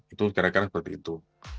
itu kira kira seperti itu